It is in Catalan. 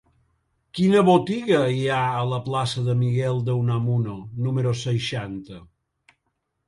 Quina botiga hi ha a la plaça de Miguel de Unamuno número seixanta?